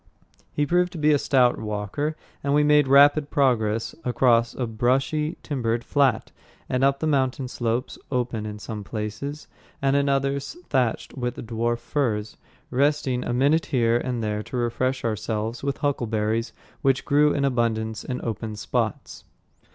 He proved to be a stout walker, and we made rapid progress across a brushy timbered flat and up the mountain slopes, open in some places, and in others thatched with dwarf firs, resting a minute here and there to refresh ourselves with huckleberries, which grew in abundance in open spots.